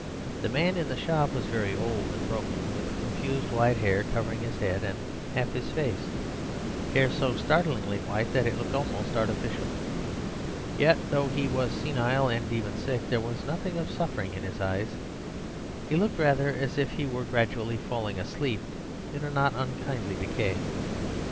The man in the shop was very old and broken, with confused white hair covering his head and half his face, hair so startlingly white that it looked almost artificial. Yet though he was senile and even sick, there was nothing of suffering in his eyes; he looked rather as if he were gradually falling asleep in a not unkindly decay.